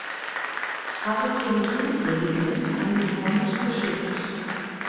Artillerieregiment an die Front geschickt.